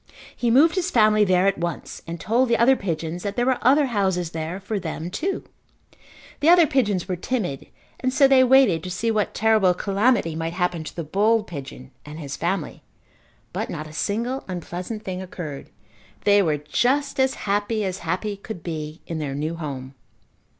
He moved his family there at once and told the other pigeons that there were other houses there for them too. The other pigeons were timid and so they waited to see what terrible calamity might happen to the bold pigeon and his family, but not a single unpleasant thing occurred. They were just as happy as happy could be in their new home.